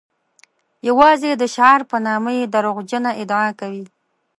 یوازې د شعار په نامه یې دروغجنه ادعا کوي.